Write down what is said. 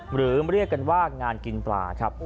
หรือเรียกกันว่างานกินปลาครับ